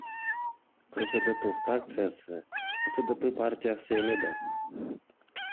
КСДП фракциясы — КСДП партиясы эле да.